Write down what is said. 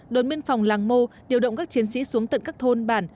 đồn biên phòng làng mô điều động các chiến sĩ xuống tận các thôn bản